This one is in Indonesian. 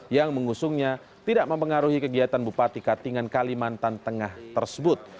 yang mengusungnya tidak mempengaruhi kegiatan bupati katingan kalimantan tengah tersebut